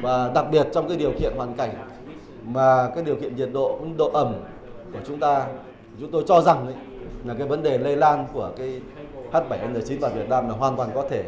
và đặc biệt trong điều kiện hoàn cảnh điều kiện nhiệt độ ẩm của chúng ta chúng tôi cho rằng vấn đề lây lan của h bảy n chín vào việt nam hoàn toàn có thể